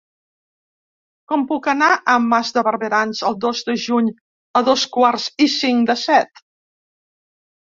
Com puc anar a Mas de Barberans el dos de juny a dos quarts i cinc de set?